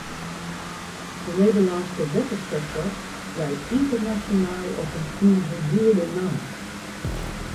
De Nederlânske wettersektor leit ynternasjonaal op in tige goede namme.